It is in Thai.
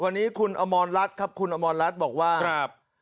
วันนี้คุณอมรรัฐครับคุณอมรรัฐบอกว่าครับ